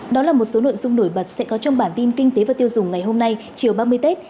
đó là một số nội dung nổi bật sẽ có trong bản tin kinh tế và tiêu dùng ngày hôm nay chiều ba mươi tết